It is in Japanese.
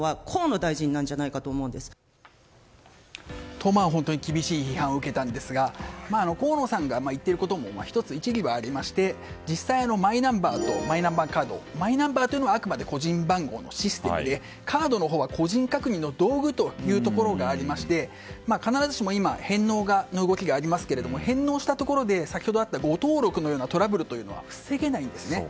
と、本当に厳しい批判を受けたんですが河野さんが言っていることも一理ありまして実際、マイナンバーとマイナンバーカードはマイナンバーというのはあくまで個人番号のシステムでカードのほうは個人確認の道具ということがありまして必ずしも返納の動きがありますが返納したところで先ほどあった誤登録のようなトラブルは防げないんですね。